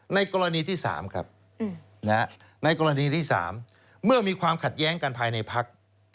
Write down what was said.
ในกรณีที่๓ครับในกรณีที่๓เมื่อมีความขัดแย้งกันภายในพัก